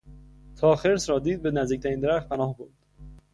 تا خرس را دید به نزدیکترین درخت پناه برد.